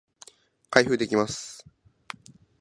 開封できます